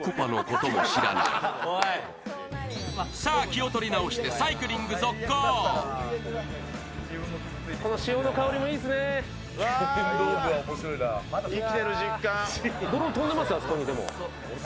気を取り直してサイクリング続行。